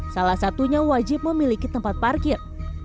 salah satunya wajib memiliki tempat parkir